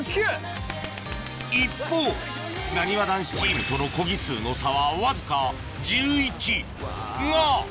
一方なにわ男子チームとのコギ数の差はわずか１１が！